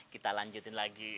kita lanjutin lagi